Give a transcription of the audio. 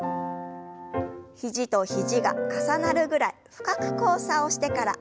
肘と肘が重なるぐらい深く交差をしてから横へ振りましょう。